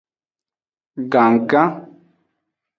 Gannggan.